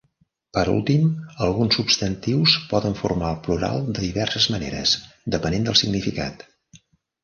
Per últim, alguns substantius poden formar el plural de diverses maneres, depenent del significat.